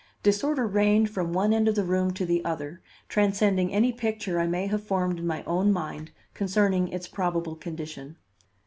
Disorder reigned from one end of the room to the other, transcending any picture I may have formed in my own mind concerning its probable condition.